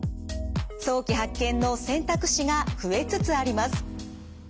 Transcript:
早期発見の選択肢が増えつつあります。